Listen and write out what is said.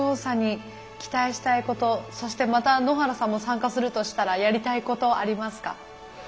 そしてまた野原さんも参加するとしたらやりたいことありますか？